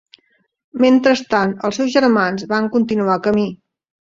Mentrestant els seus germans van continuar camí.